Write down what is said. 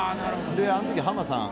であの時浜田さん